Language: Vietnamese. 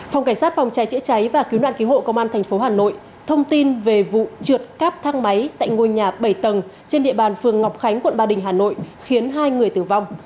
phòng cảnh sát phòng cháy chữa cháy và cứu nạn cứu hộ công an tp hà nội thông tin về vụ trượt các thang máy tại ngôi nhà bảy tầng trên địa bàn phường ngọc khánh quận ba đình hà nội khiến hai người tử vong